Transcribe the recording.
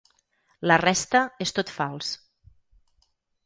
La resta és tot fals.